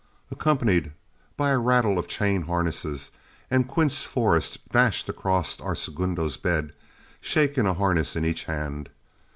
accompanied by a rattle of chain harness, and Quince Forrest dashed across our segundo's bed, shaking a harness in each hand.